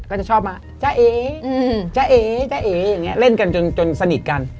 ก็จะชอบมาจ้าเอ๋จ้าเอ๋จ้าเอ๋อย่างนี้เล่นกันจนสนิทกัน